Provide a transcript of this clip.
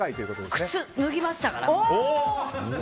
靴脱ぎましたから。